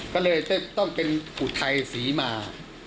ก็เลยต้องเป็นอุทัยศรีมา